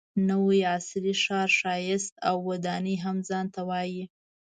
نوي عصري ښار ښایست او ودانۍ هم ځان ته وایي.